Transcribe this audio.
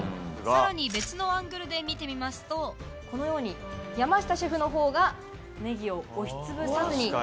さらに別のアングルで見てみますとこのように山下シェフのほうがネギを押しつぶさずに。